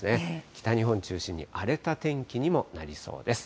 北日本中心に荒れた天気にもなりそうです。